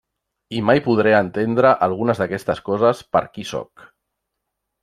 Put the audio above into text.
I mai podré entendre algunes d'aquestes coses per qui sóc.